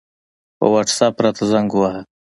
په وټساپ راته زنګ ووهه